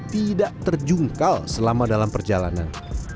tidak terjungkal selama dalam perjalanan